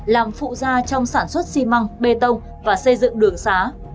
làm phụ gia trong sản xuất xi măng bê tông và xây dựng đường xá